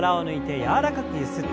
柔らかくゆすって。